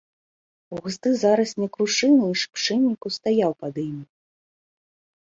Густы зараснік крушыны і шыпшынніку стаяў пад імі.